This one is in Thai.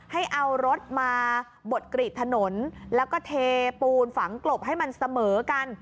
ให้เอารถมาบดกรีดถนนแล้วก็เทปูนฝังกลบให้มันเสมอกัน